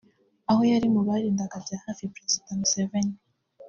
aho yari mu barindaga bya hafi Perezida Museveni